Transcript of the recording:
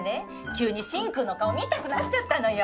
急に進くんの顔見たくなっちゃったのよ。